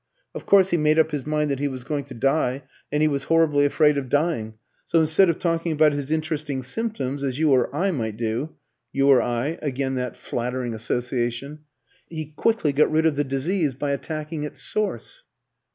Of course he made up his mind that he was going to die, and he was horribly afraid of dying. So instead of talking about his interesting symptoms, as you or I might do" ("You or I" again that flattering association!), "he quietly got rid of the disease by attacking its source."